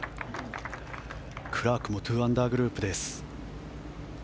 クラークも２アンダーグループです。